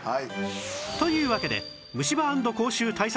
というわけで虫歯＆口臭対策